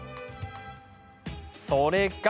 それが。